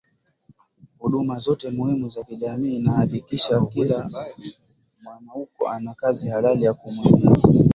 huduma zote muhimu za kijamii na kuhakikisha kila mwanaukoo ana kazi halali ya kumuingizia